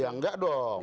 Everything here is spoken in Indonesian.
ya enggak dong